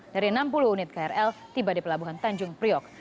dari enam puluh unit krl tiba di pelabuhan tanjung priok